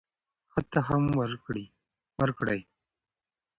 ښه تخم وکرئ.